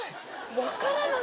分からない